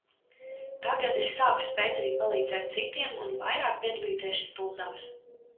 Tagad es sāku spēt arī palīdzēt citiem un vairāk piedalīties stundās.